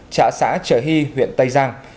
trã xã chợ hy huyện tây giang